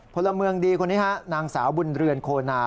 พลเมืองดีคนนี้ฮะนางสาวบุญเรือนโคนา